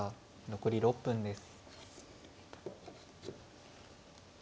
残り６分です。